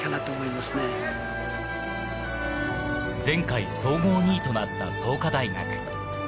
前回、総合２位となった創価大学。